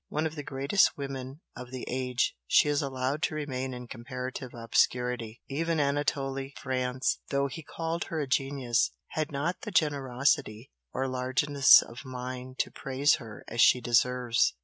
One of the greatest women of the age, she is allowed to remain in comparative obscurity, even Anatole France, though he called her a 'genius,' had not the generosity or largeness of mind to praise her as she deserves.